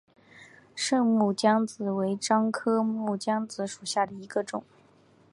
滇木姜子为樟科木姜子属下的一个种。